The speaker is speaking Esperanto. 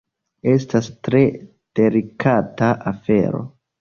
Estas tre delikata afero.